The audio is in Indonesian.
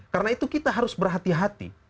karena itu kita harus berhati hati